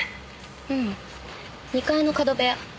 うん２階の角部屋。